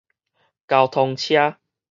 交通車